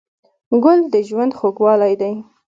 ګل د ژوند خوږوالی دی.